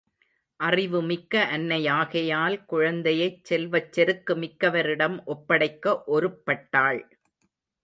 அறிவு மிக்க அன்னையாகையால் குழந்தையைச் செல்வச் செருக்கு மிக்கவரிடம் ஒப்படைக்க ஒருப்பட்டாள்.